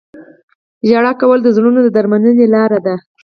• ژړا کول د زړونو د درملنې لاره ده.